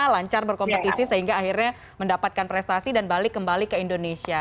lancar berkompetisi sehingga akhirnya mendapatkan prestasi dan balik kembali ke indonesia